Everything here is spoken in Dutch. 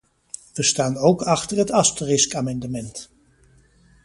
We staan ook achter het asteriskamendement.